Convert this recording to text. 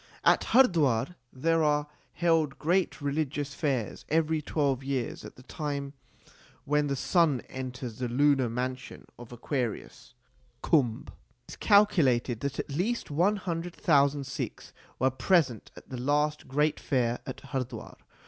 At Hardwar there are held great religious fairs every twelve years at the time when the sun enters the lunar mansion of Aquarius (Kumbh). It is calculated that at least one hundred thousand Sikhs were present at the last great fair at Hardwar.